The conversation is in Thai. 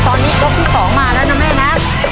ตอนนี้ยกที่๒มาแล้วนะแม่นะ